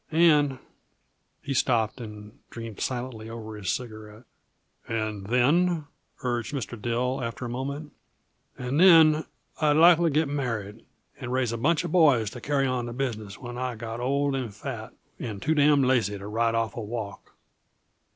And " He stopped and dreamed silently over his cigarette. "And then?" urged Mr. Dill, after a moment. "And then I'd likely get married, and raise a bunch uh boys to carry on the business when I got old and fat, and too damn' lazy to ride off a walk."